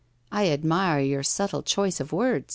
I admire your subtle choice of words